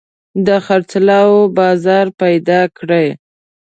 د خرڅلاو بازار پيدا کړي.